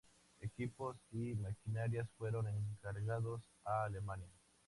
Equipos y maquinarias fueron encargados a Alemania.